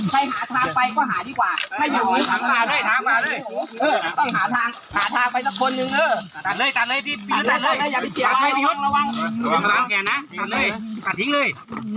ใครหาทางไปก็หาดีกว่าถ้าอยู่ทางมาด้วยทางมาด้วย